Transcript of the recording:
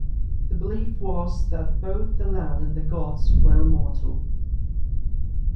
The belief was that both the land and the gods were immortal.